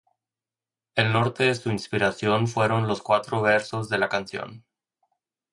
El norte de su inspiración fueron los cuatro versos de la canción.